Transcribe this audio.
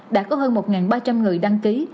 đã có hơn một ba trăm linh người đăng ký